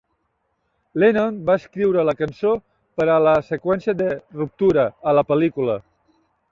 Lennon va escriure la cançó per a la seqüència de "ruptura" a la pel·lícula.